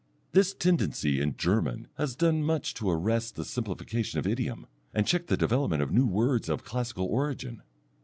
This tendency in German has done much to arrest the simplification of idiom, and checked the development of new words of classical origin.